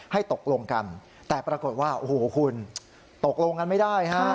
ให้ตกลงกันแต่ปรากฏว่าโอ้โหคุณตกลงกันไม่ได้ฮะ